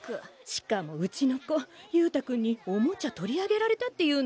しかもうちの子勇太君にオモチャ取り上げられたって言うの。